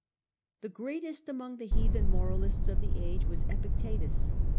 The greatest among the heathen moralists of the age was Epictetus.